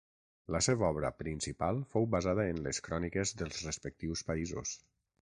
La seva obra principal fou basada en les cròniques dels respectius països.